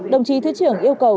đồng chí thứ trưởng yêu cầu